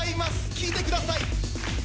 聴いてください。